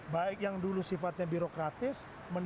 baik yang dulu sifatnya birokratis